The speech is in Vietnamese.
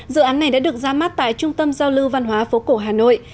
dự án này đã được ra mắt tại trung tâm giao lưu văn hóa phố cổ hà nội